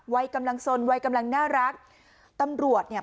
วัยกำลังสนวัยกำลังน่ารักตำรวจเนี่ย